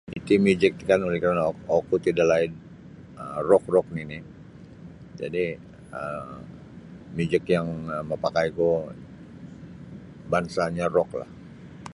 Iti mijik ti kan oleh karana' oku ti dalaid um rock-rock nini' jadi um mijik yang mapakaiku bansa'nyo rocklah.